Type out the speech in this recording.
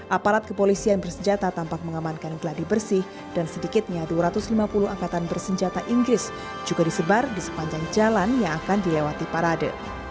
aparat kepolisian bersenjata tampak mengamankan geladi bersih dan sedikitnya dua ratus lima puluh angkatan bersenjata inggris juga disebar di sepanjang jalan yang akan dilewati parade